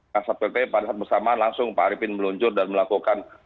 kasat pp pada saat bersamaan langsung pak arifin meluncur dan melakukan